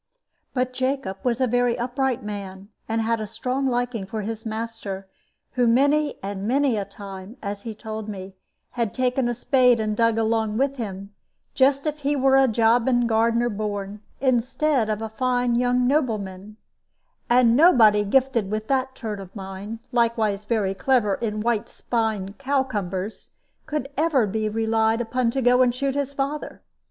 But Jacob was a very upright man, and had a strong liking for his master, who many and many a time as he told me had taken a spade and dug along with him, just as if he were a jobbing gardener born, instead of a fine young nobleman; "and nobody gifted with that turn of mind, likewise very clever in white spine cowcumbers, could ever be relied upon to go and shoot his father."